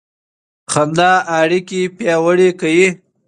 خندا اړیکې پیاوړې کوي.